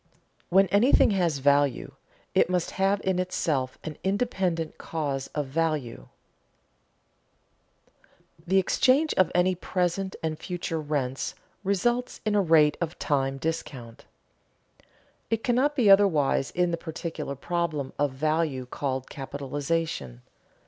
When anything has value, it must have in itself an independent cause of value. [Sidenote: The exchange of any present and future rents results in a rate of time discount] It can not be otherwise in the particular problem of value called capitalization.